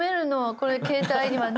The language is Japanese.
これ携帯にはね。